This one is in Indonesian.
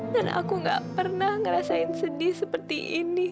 dan aku gak pernah ngerasain sedih seperti ini